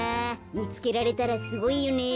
みつけられたらすごいよねえ。